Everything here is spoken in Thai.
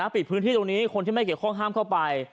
ปิดพื้นที่ตรงนี้คนที่ไม่เกี่ยวข้องห้ามเข้าไป